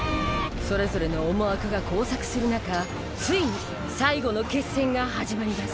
それぞれの思惑が交錯する中ついに最後の決戦が始まります